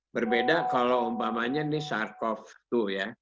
berbeda kalau umpamanya ini sars cov dua ya